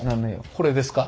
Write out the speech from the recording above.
これですか？